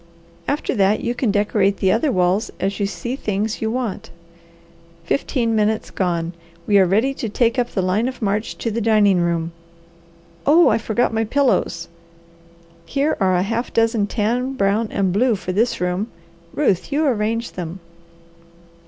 After that you can decorate the other walls as you see things you want. Fifteen minutes gone; we are ready to take up the line of march to the dining room. Oh I forgot my pillows! Here are a half dozen tan, brown, and blue for this room. Ruth, you arrange them."